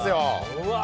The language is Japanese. うわ！